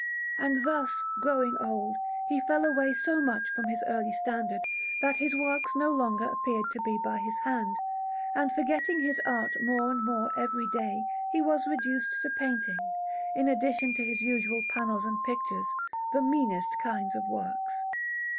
And thus, growing old, he fell away so much from his early standard, that his works no longer appeared to be by his hand; and forgetting his art more and more every day, he was reduced to painting, in addition to his usual panels and pictures, the meanest kinds of works.